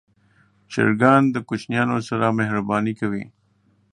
چرګان د کوچنیانو سره مهرباني کوي.